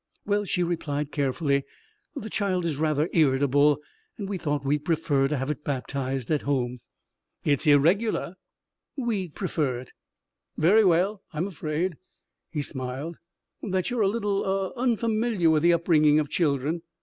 "Well," she replied carefully, "the child is rather irritable. And we thought we'd prefer to have it baptized at home." "It's irregular." "We'd prefer it." "Very well. I'm afraid " he smiled "that you're a little ah unfamiliar with the upbringing of children.